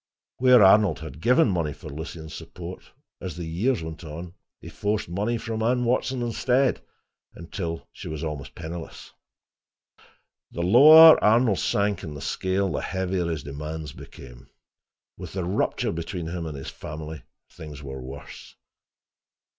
Where Arnold had given money for Lucien's support, as the years went on he forced money from Anne Watson instead until she was always penniless. The lower Arnold sank in the scale, the heavier his demands became. With the rupture between him and his family, things were worse.